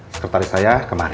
sekretaris saya kemari